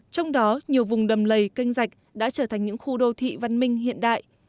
trong đó nhiều vùng đầm lầy canh rạch đã trở thành những khu đô thị văn minh hiện đại